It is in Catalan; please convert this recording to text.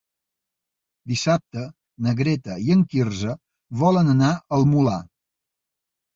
Dissabte na Greta i en Quirze volen anar al Molar.